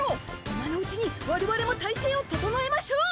今のうちにわれわれも体制を整えましょう。